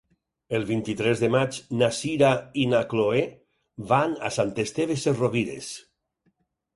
El vint-i-tres de maig na Sira i na Chloé van a Sant Esteve Sesrovires.